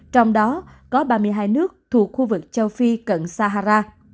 trong đó có ba mươi hai nước thuộc khu vực châu phi cận sahara